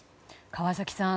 川崎さん